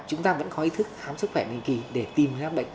chúng ta vẫn có ý thức hám sức khỏe bình kỳ để tìm ra bệnh